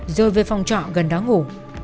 rồi về phòng trọ gần đó ngủ